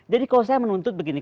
jadi kalau saya menuntut begini